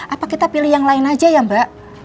apa kita pilih yang lain aja ya mbak